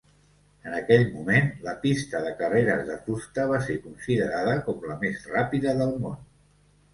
En aquell moment, la pista de carreres de fusta va ser considerada com la més ràpida del món.